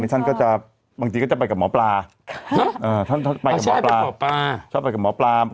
ในท่านก็จะบางทีก็จะไปกับหมอปลาเออท่านไปกับหมอปลาไปกับหมอปลา